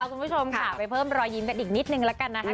คุณผู้ชมค่ะไปเพิ่มรอยยิ้มกันอีกนิดนึงแล้วกันนะคะ